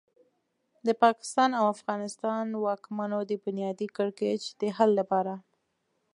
د پاکستان او افغانستان واکمنو د بنیادي کړکېچ د حل لپاره.